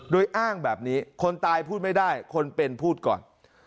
โดยอ้างแบบนี้คนตายพูดไม่ได้คนเป็นพูดก่อน